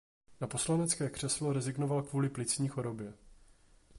Na poslanecké křeslo rezignoval kvůli plicní chorobě.